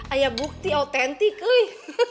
ayah bukti autentik wih